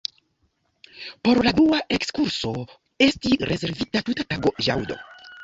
Por la dua ekskurso esti rezervita tuta tago, ĵaŭdo.